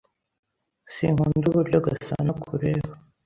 Sinkunda uburyo Gasanaakureba.